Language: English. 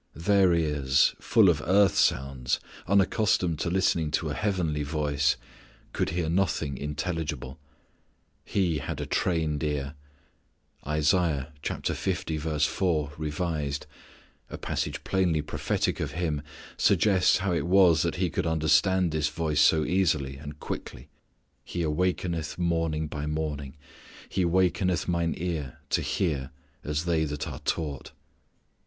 Their ears, full of earth sounds, unaccustomed to listening to a heavenly voice, could hear nothing intelligible. He had a trained ear. Isaiah 50:4 revised (a passage plainly prophetic of Him), suggests how it was that He could understand this voice so easily and quickly. "He wakeneth morning by morning, He wakeneth mine ear to hear as they that are taught."